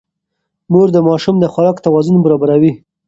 مور د ماشوم د خوراک توازن برابروي.